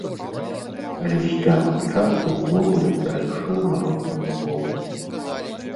Але з цягам часу ўвогуле перайшоў на родную мову.